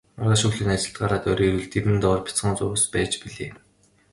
Маргааш өглөө нь ажилд гараад орой ирвэл дэрэн доор бяцхан зурвас байж билээ.